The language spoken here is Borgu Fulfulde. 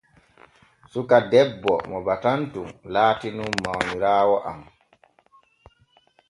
Suka debbo mo batanton laati nun mawniraawo am.